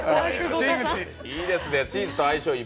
いいですね、チーズと相性がいい。